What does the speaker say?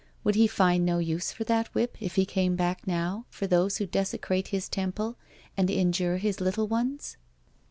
Would He find no use for that whip if He came back now, for those who desecrate His Temple and injure His little ones?